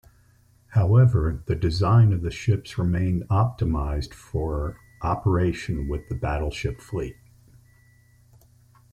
However, the design of the ships remained optimized for operation with the battleship fleet.